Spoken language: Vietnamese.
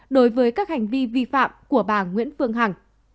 đối với các hành vi vi phạm của bà nguyễn phương hằng